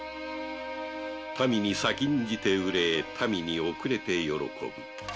民に先んじて憂え民に遅れて喜ぶ